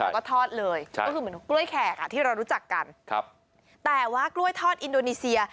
ก็ทอดเลยก็คือเหมือนกล้วยแขกอ่ะที่เรารู้จักกันครับแต่ว่ากล้วยทอดอินโดนีเซีย